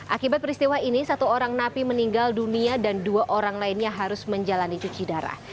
akibat peristiwa ini satu orang napi meninggal dunia dan dua orang lainnya harus menjalani cuci darah